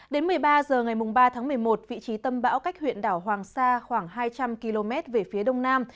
đến một mươi ba h ngày ba tháng một mươi một vị trí tâm bão cách huyện đảo hoàng sa khoảng hai trăm linh km về phía đông nam